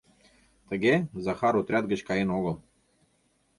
Тыге Захар отряд гыч каен огыл.